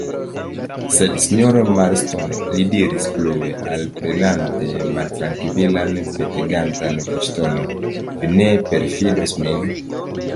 Sed, sinjoro Marston, li diris plue, alprenante maltrankvilan, petegantan voĉtonon, vi ne perfidos min?